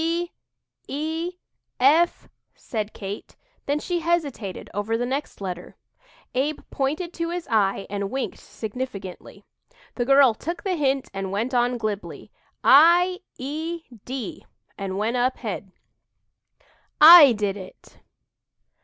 "D e f," said Kate, then she hesitated over the next letter. Abe pointed to his eye and winked significantly. The girl took the hint and went on glibly "i e d," and "went up head." "I DID IT!"